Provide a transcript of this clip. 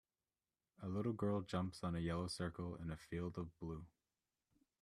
A little girl jumps on a yellow circle in a field of blue.